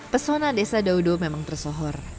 pesona desa daudo memang tersohor